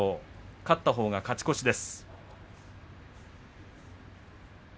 勝ったほうが勝ち越しです。